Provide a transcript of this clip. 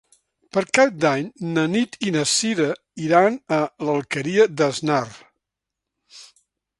Per Cap d'Any na Nit i na Cira iran a l'Alqueria d'Asnar.